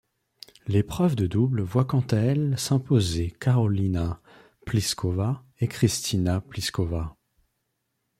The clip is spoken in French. L'épreuve de double voit quant à elle s'imposer Karolína Plíšková et Kristýna Plíšková.